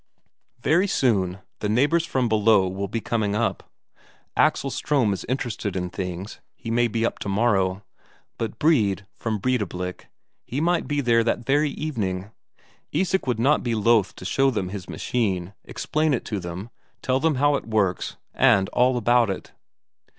Very soon the neighbours from below will be coming up. Axel Ström is interested in things, he may be up tomorrow. But Brede from Breidablik, he might be here that very evening. Isak would not be loth to show them his machine, explain it to them, tell them how it works, and all about it.